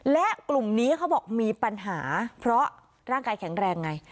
และกลุ่มนี้เขาบอกมีปัญหาเพราะร่างกายแข็งแรงไง